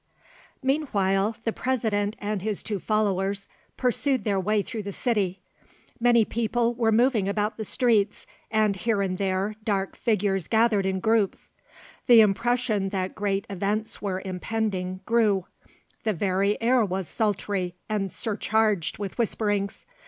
Meanwhile the President and his two followers pursued their way through the city. Many people were moving about the streets, and here and there dark figures gathered in groups. The impression that great events were impending grew; the very air was sultry and surcharged with whisperings.